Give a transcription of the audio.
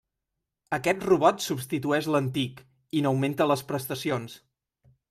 Aquest robot substitueix l'antic, i n'augmenta les prestacions.